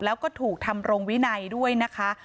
แล้วก็ถูกทำรงวินัยด้วยนะคะ